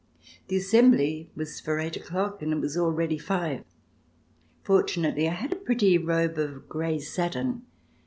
The Assembly was for eight o'clock, and it was al ready five. Fortunately, I had a pretty robe of gray satin.